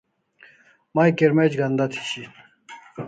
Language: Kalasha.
May kirmec' ganda thi shian